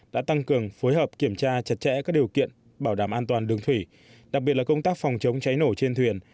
ra chặt chẽ các điều kiện bảo đảm an toàn đường thủy đặc biệt là công tác phòng chống cháy nổ trên thuyền